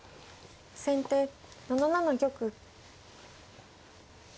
先手７七玉。